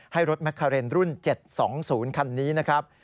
ให้รถแมคคาเรนรุ่น๗๒๐คันนี้นะครับ